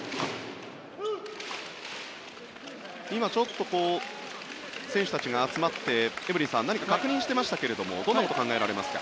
今、ちょっと選手たちが集まってエブリンさん何か確認してましたがどんなことが考えられますか？